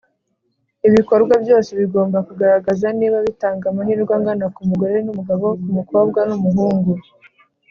ibikorwa byose bigomba kugaragaza niba bitanga amahirwe angana ku mugore n'umugabo, ku mukobwa n'umuhungu.